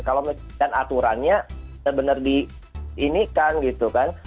kalau dan aturannya sebenarnya diinikan gitu kan